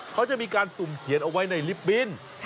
เขาจะมีการสุ่มเขียนเอาไว้ในลิฟต์บิน